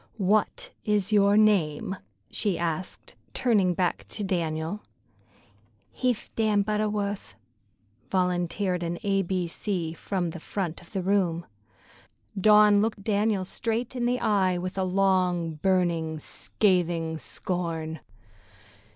"What is your name?" she asked, turning back to Daniel. "He'th Dan Butterwuth," volunteered an A B C from the front of the room. Dawn looked Daniel straight in the eye, with a long, burning, scathing scorn.